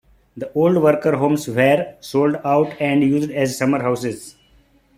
The old worker homes where sold out and used as summer houses.